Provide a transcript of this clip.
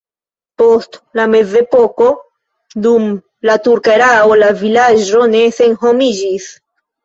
Post la mezepoko dum la turka erao la vilaĝo ne senhomiĝis.